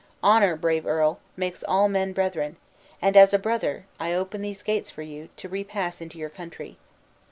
Honor, brave earl, makes all men brethren; and, as a brother, I open these gates for you, to repass into your country.